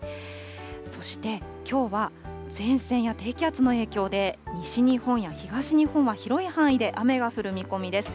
そして、きょうは前線や低気圧の影響で、西日本や東日本は広い範囲で雨が降る見込みです。